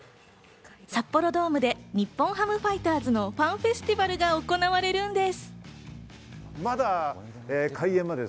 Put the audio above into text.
札幌ドームで日本ハムファイターズのファンフェスティバルが行われるんです。